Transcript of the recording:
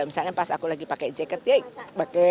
misalnya pas aku lagi pakai jaket ya